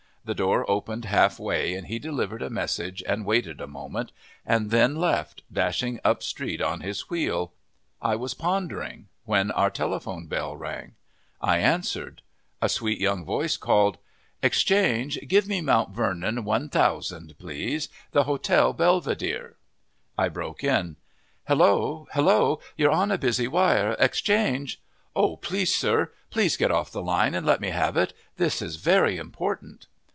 The door opened halfway and he delivered a message and waited a moment, and then left, dashing up street on his wheel. I was pondering, when our telephone bell rang. I answered. A sweet young voice called: "Exchange, give me Mount Vernon 1,000, please the Hotel Belvedere." I broke in. "Hello! Hello! You're on a busy wire! Exchange " "Oh, please, sir, please get off the line and let me have it! This is very important!"